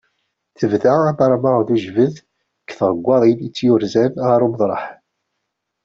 Tebda amermeɣ d ujbad deg tɣeggaḍin i tt-yurzen ɣer umeṭreḥ.